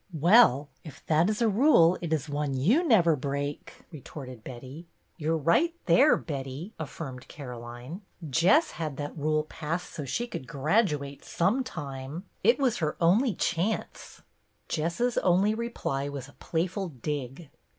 " Well, if that is a rule it is one you never break," retorted Betty. "You're right there, Betty!" affirmed Caroline. " Jess had that rule passed so she ii8 BETTY BAIRD could graduate some time. It was her only chance." Jess's only reply was a playful dig.